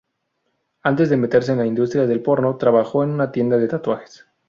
Antes de meterse en la industria del porno trabajó en una tienda de tatuajes.